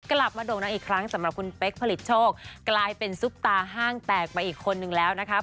โด่งดังอีกครั้งสำหรับคุณเป๊กผลิตโชคกลายเป็นซุปตาห้างแตกไปอีกคนนึงแล้วนะคะ